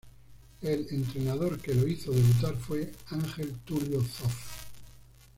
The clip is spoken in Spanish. El entrenador que lo hizo debutar fue Ángel Tulio Zof.